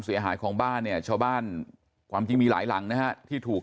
เสียหายของบ้านเนี่ยชาวบ้านความจริงมีหลายหลังนะฮะที่ถูก